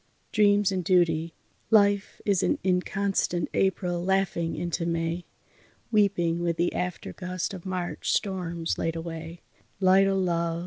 DREAMS AND DUTY Life is an inconstant April laughing into May, Weeping with the aftergust of March storms laid away, Light o' love!